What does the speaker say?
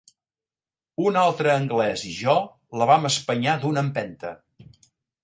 Un altre anglès i jo la vam espanyar d'una empenta